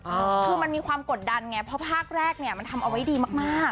คือมันมีความกดดันไงเพราะภาคแรกเนี่ยมันทำเอาไว้ดีมากมาก